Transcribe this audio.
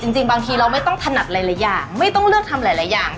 จริงบางทีเราไม่ต้องถนัดหลายอย่างไม่ต้องเลือกทำหลายอย่าง